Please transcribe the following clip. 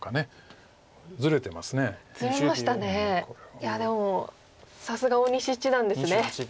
いやでもさすが大西七段ですね。